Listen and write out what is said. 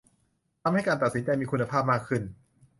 ทำให้การตัดสินใจมีคุณภาพมากขึ้น